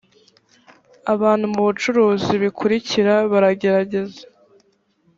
abantu mu bucuruzi bikurikira baragerageza